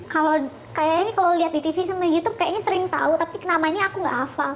kalau kayaknya nih kalau lihat di tv sama youtube kayaknya sering tahu tapi namanya aku gak hafal